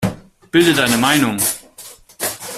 Bilde deine Meinung!